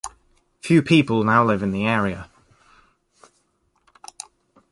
Few people now live in the area.